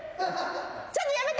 ちょっとやめて。